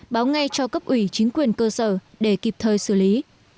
báo ngay cho cấp ủy chính quyền cơ sở để kịp thời xử lý